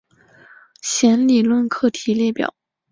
弦理论课题列表。